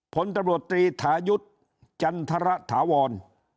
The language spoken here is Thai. ผลตำรวจตรีทายุทธ์จันทรถาวร